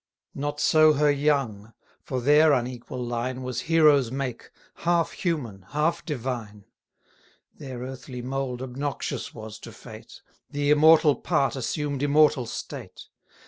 Not so her young; for their unequal line Was hero's make, half human, half divine. 10 Their earthly mould obnoxious was to fate, The immortal part assumed immortal state.